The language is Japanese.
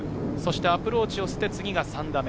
アプローチをして次が３打目。